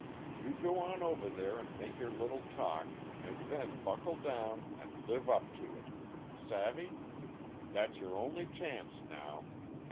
You go on over there and make your little talk, and then buckle down and live up to it. Savvy? That's your only chance now.